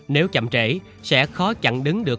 nếu chậm trễ sẽ khó chặn đứng được